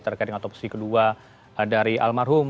terkait dengan otopsi kedua dari almarhum